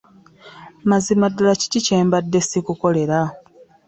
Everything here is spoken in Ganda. Mazima ddala kiki kyembadde ssikukolera?